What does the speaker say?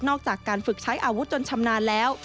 จากการฝึกใช้อาวุธจนชำนาญแล้ว